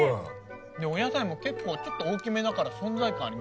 お野菜も結構大きめだから存在感ありますね。